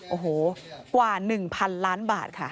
โอ้โหกว่า๑๐๐๐ล้านบาทค่ะ